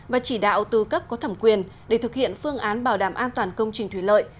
và chỉ đạo tư cấp có thẩm quyền để thực hiện phương án bảo đảm an toàn công trình thủy lợi